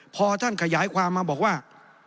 พอท่านขยายความมาบอกว่า